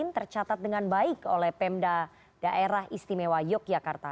tercatat dengan baik oleh pemda daerah istimewa yogyakarta